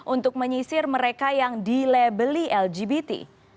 untuk menyisir mereka yang dilabeli lgbt